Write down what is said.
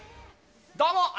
どうも！